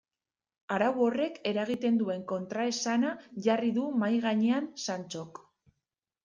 Arau horrek eragiten duen kontraesana jarri du mahai gainean Santxok.